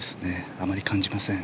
あまり感じません。